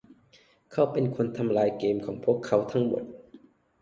เขาเป็นคนที่ทำลายเกมของพวกเขาทั้งหมด